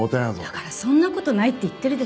だからそんな事ないって言ってるでしょ。